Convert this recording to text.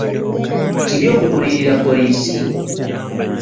Kibi okugulirira poliisi?